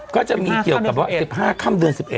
ก็จะมีเกี่ยวกับว่า๑๕ค่ำเดือน๑๑